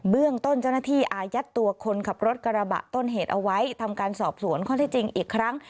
เรื่องต้นเจ้าหน้าที่อายัดตัวคนขับรถกระบะต้นเหตุเอาไว้ทำการสอบสวนข้อที่จริงอีกครั้ง